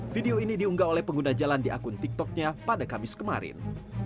video ini diunggah oleh pengguna jalan di akun tiktoknya pada kamis kemarin